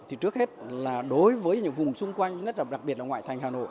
thì trước hết là đối với những vùng xung quanh rất là đặc biệt là ngoại thành hà nội